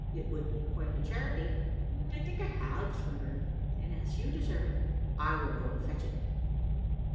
It would be quite a charity." "I think I have, Swinburne; and as you deserve it, I will go and fetch it."